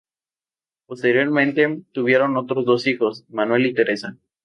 Posteriormente tuvieron otros dos hijos: Manuel y Teresa.